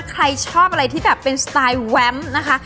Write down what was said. ใครชอบอะไรที่แบบเป็นสไตล์แวมนะคะ